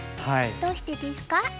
どうしてですか？